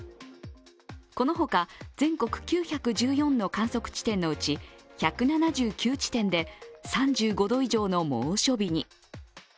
このほか全国９１４の観測地点のうち１７９地点で３５度以上の猛暑日に。